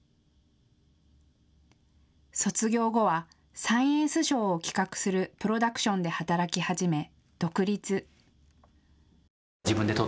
卒業後はサイエンスショーを企画するプロダクションで働き始め、独立。